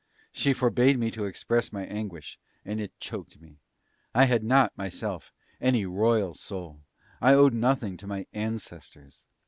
She forbade me to express my anguish, and it choked me. I had not, myself, any "royal" soul; I owed nothing to my "ancestors."